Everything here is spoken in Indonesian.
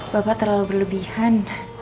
bapak terlalu berlebihan